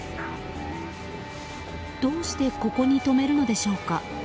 どうしてここに止めるのでしょうか。